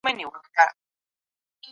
موږ باید د تېرې ورځې ټولنې ته مراجعه وکړو.